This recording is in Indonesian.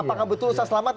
apakah betul ustaz selamat